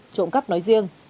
trộm cắp nói riêng